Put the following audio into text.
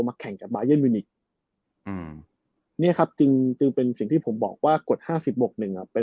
มาแข่งกับบรรยามิวนิคนะครับจึงจึงเป็นสิ่งที่ผมบอกว่ากฐาน๕๐บก๑อ่ะ